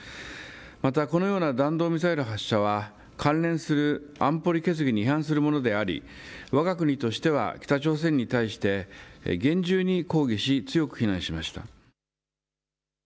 また、このような弾道ミサイル発射は関連する安保理決議に違反するものでありわが国としては北朝鮮に対して厳重に抗議し強く非難しました。